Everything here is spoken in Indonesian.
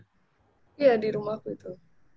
iya di rumah aku itu